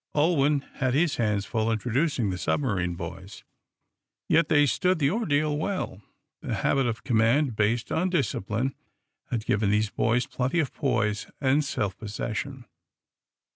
Ulwin had his hands full introducing the submarine boys. Yet they stood the ordeal well. The habit of command, based on discipline, had given these boys plenty of poise and self possession.